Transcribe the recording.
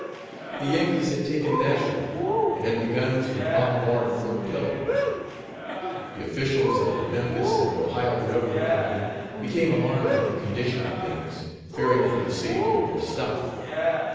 The Yankees had taken Nashville, and had begun to bombard Fort Pillow. The officials of the Memphis and Ohio railroad company became alarmed at the condition of things, fearing for the safety of their stock.